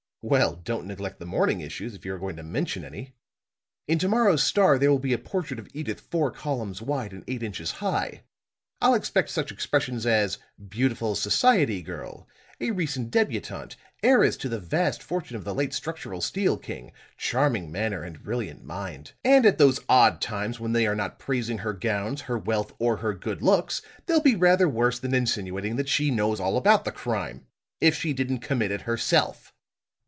"Well, don't neglect the morning issues, if you are going to mention any. In to morrow's Star there will be a portrait of Edyth four columns wide and eight inches high. I'll expect such expressions as 'beautiful society girl,' 'a recent debutante,' 'heiress to the vast fortune of the late structural steel king,' 'charming manner and brilliant mind.' And at those odd times when they are not praising her gowns, her wealth or her good looks, they'll be rather worse than insinuating that she knows all about the crime if she didn't commit it herself!"